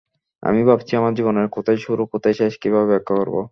আমি ভাবছি, আমার জীবনের কোথায় শুরু, কোথায় শেষ কীভাবে ব্যাখ্যা করব।